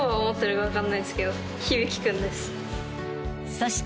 ［そして］